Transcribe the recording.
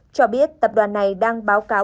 cho biết tập đoàn này đang báo cáo